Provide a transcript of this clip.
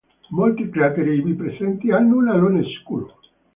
Molti crateri ivi presenti hanno un alone scuro.